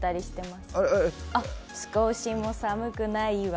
すこーしも寒くないわ。